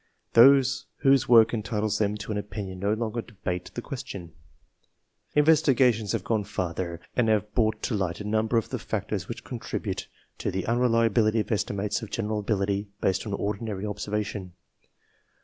Those whose work entitles them to an opinion no longer debate the question. Investigations have gone farther and have brought to light a number of the factors which contribute to the unreliability of estimates of general ability based on ordinary observation.